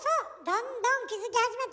どんどん気付き始めたわ。